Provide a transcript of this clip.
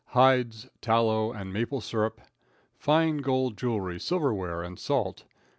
Hides, Tallow, and Maple Syrup. Fine Gold Jewelry, Silverware, and Salt.